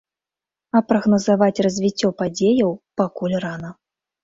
А прагназаваць развіццё падзеяў пакуль рана.